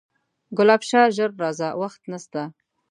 ګلاب شاه ژر راځه وخت نسته